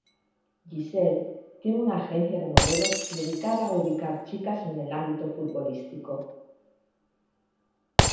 Giselle tiene una agencia de modelos dedicada a ubicar chicas en el ámbito futbolístico.